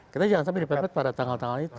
kita jangan sampai dipepet pada tanggal tanggal itu